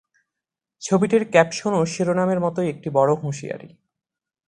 ছবিটির ক্যাপশনও শিরোনামের মতোই একটি বড় হুঁশিয়ারি।